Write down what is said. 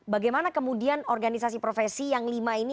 bagaimana kemudian organisasi profesi yang lima ini